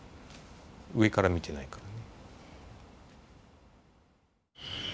上から見てないから。